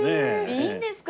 いいんですか？